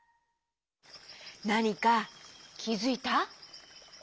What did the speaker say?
なにかきづいた？